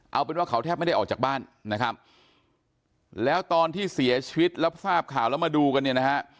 เอาเป็นว่าเขาแทบไม่ได้ออกจากบ้านนะครับแล้วตอนที่เสียชีวิตแล้วทราบข่าวแล้วมาดูกันเนี่ยนะฮะ